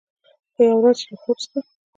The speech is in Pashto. خو، یوه ورځ چې له خوب څخه